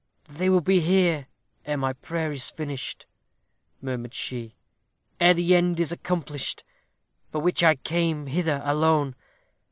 "They will be here ere my prayer is finished," murmured she "ere the end is accomplished for which I came hither alone.